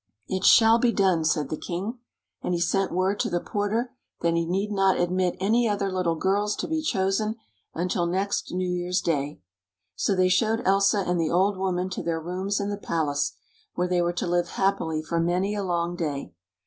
"It shall be done!" said the king. And he sent word to the porter that he need not admit any other little girls to be chosen until next New Year's Day. So they showed Elsa and the old woman to their rooms in the palace, where they were to live happily for many a long day.